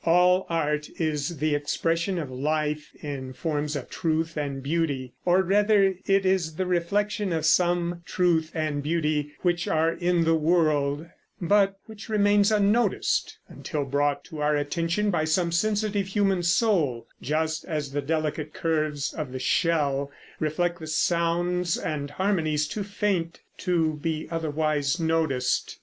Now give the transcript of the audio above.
All art is the expression of life in forms of truth and beauty; or rather, it is the reflection of some truth and beauty which are in the world, but which remain unnoticed until brought to our attention by some sensitive human soul, just as the delicate curves of the shell reflect sounds and harmonies too faint to be otherwise noticed.